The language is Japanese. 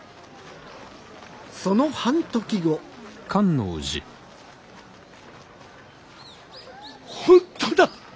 その半刻後本当だ！